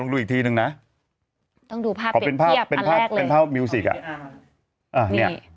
ลองดูอีกทีนึงนะต้องดูภาพเปรียบเทียบอันแรกเลยเป็นภาพเป็นภาพมิวสิกอ่ะอ่า